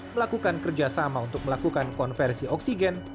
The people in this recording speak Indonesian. melakukan kerjasama untuk melakukan konversi oksigen